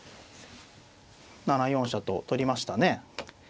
７四飛車と取りましたね。